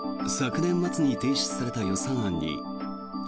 昨年末に提出された予算案に地